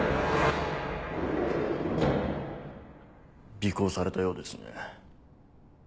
尾行されたようですね。